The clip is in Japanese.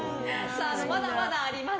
まだまだあります。